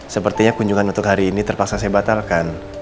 sepertinya kunjungan untuk hari ini terpaksa saya batalkan